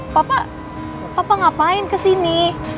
papa papa ngapain kesini